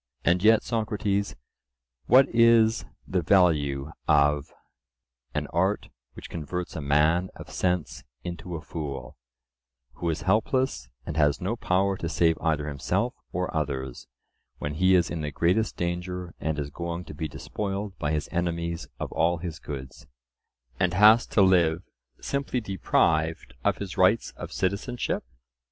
And yet, Socrates, what is the value of "An art which converts a man of sense into a fool," who is helpless, and has no power to save either himself or others, when he is in the greatest danger and is going to be despoiled by his enemies of all his goods, and has to live, simply deprived of his rights of citizenship?